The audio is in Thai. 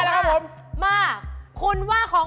ได้นะครับผม